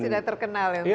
tidak terkenal ya